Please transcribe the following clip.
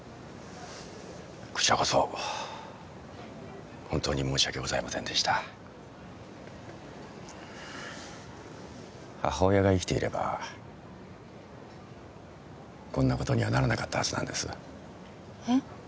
こちらこそ本当に申し訳ございませんでした母親が生きていればこんなことにはならなかったはずなんですえっ？